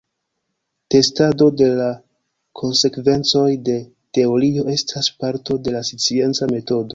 Testado de la konsekvencoj de teorio estas parto de la scienca metodo.